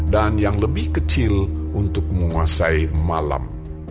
dan yang lebih kecil untuk menguasai malam